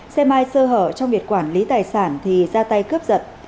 xe mai sơ hở trong việc quản lý tài sản thì ra tay cướp giật